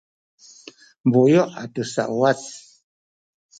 buyu’ atu sauwac